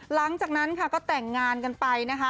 หลังจากนั้นค่ะก็แต่งงานกันไปนะคะ